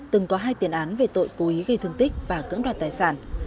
từng có hai tiền án về tội cố ý gây thương tích và cưỡng đoạt tài sản